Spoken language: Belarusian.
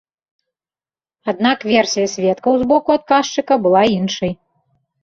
Аднак версія сведкаў з боку адказчыка была іншай.